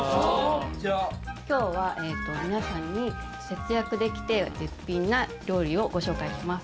今日は皆さんに節約できて絶品な料理をご紹介します。